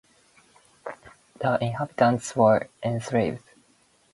The inhabitants were enslaved.